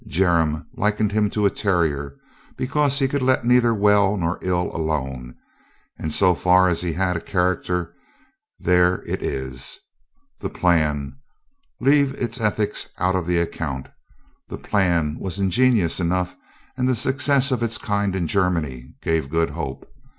Jermyn likened him to a terrier, because he could let neither well nor ill alone, and so far as he had 348 COLONEL GREATHEART a character, there it is. The plan — leave Its ethics out of the account — the plan was ingenious enough and the success of its kind in Germany gave good hope.